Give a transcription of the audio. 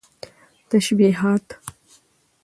تشبيهات